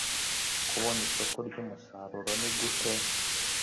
Kubona isoko ry umusaruro ni gute